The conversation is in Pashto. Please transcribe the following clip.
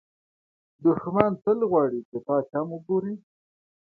دښمن تل غواړي چې تا کم وګوري